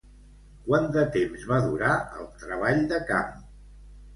Quant de temps va durar el treball de camp?